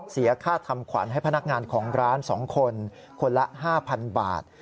เสียค่าทำขวัญให้พนักงานของร้าน๒คนคนละ๕๐๐๐บาท